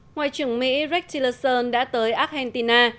ngoại trưởng mỹ rick tillerson đã tới argentina